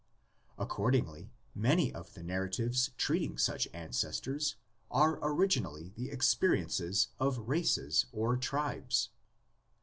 Accordingly, many of the narratives treating such ancestors are originally the experiences of races or tribes.